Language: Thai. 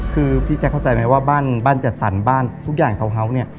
คือพี่แจ๊คเข้าใจไหมว่าบ้านบ้านจัดสรรบ้านทุกอย่างทาวน์เฮาส์เนี่ย